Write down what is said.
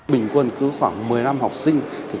bình quân cứ khoảng một mươi năm học sinh